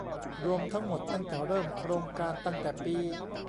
รวมทั้งหมดตั้งแต่เริ่มโครงการตั้งแต่ปี